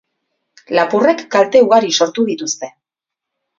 Lapurrek kalte ugari sortu dituzte.